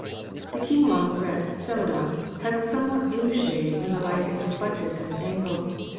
The Keen lung red Celadon has a somewhat blue shade when the light is reflected at an angle.